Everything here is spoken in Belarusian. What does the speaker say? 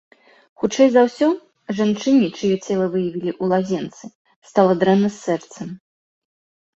Хутчэй за ўсё, жанчыне, чыё цела выявілі ў лазенцы, стала дрэнна з сэрцам.